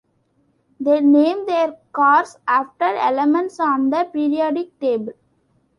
They name their cars after elements on the Periodic Table.